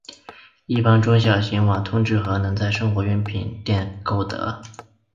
一般中小型瓦通纸盒能在生活用品店购得。